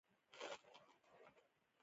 خټکی د حمل پر مهال ګټور دی.